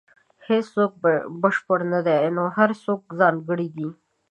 • هیڅوک بشپړ نه دی، خو هر څوک ځانګړی دی.